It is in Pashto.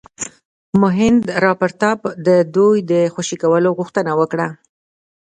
مهیندراپراتاپ د دوی د خوشي کولو غوښتنه وکړه.